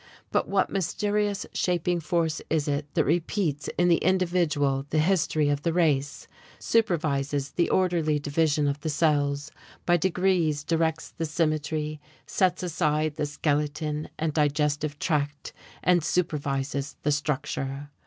But what mysterious shaping force is it that repeats in the individual the history of the race, supervises the orderly division of the cells, by degrees directs the symmetry, sets aside the skeleton and digestive tract and supervises the structure?